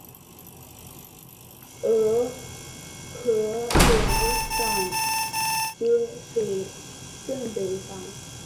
而禾寮港街属镇北坊。